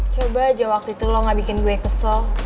coba aja waktu itu lo gak bikin gue kesel